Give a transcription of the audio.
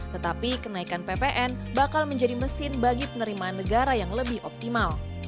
tetapi kenaikan ppn bakal menjadi mesin bagi penerimaan negara yang lebih optimal